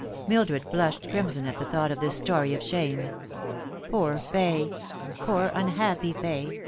Mildred blushed crimson at the thought of this story of shame. Poor Fay ! poor, unhappy Fay